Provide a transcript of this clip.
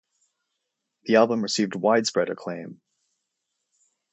The album received widespread acclaim.